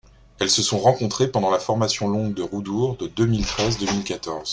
Elles se sont rencontrées pendant la formation longue de Roudour de deux mille treize deux mille quatorze.